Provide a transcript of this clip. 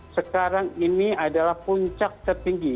sekarang ini adalah puncak tertinggi